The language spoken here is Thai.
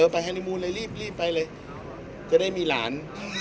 เออไปฮันนิมูนเลยรีบรีบไปเลยก็ได้มีหลาน